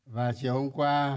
và chiều hôm qua